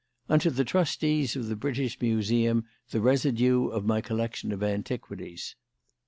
"Unto the Trustees of the British Museum the residue of my collection of antiquities.